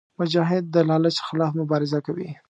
مجاهد د لالچ خلاف مبارزه کوي.